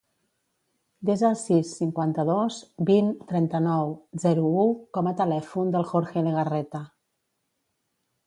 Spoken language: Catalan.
Desa el sis, cinquanta-dos, vint, trenta-nou, zero, u com a telèfon del Jorge Legarreta.